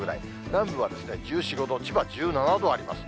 南部は１４、５度、千葉１７度あります。